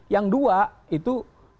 yang dua itu